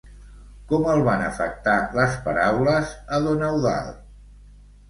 Com el van afectar les paraules a don Eudald?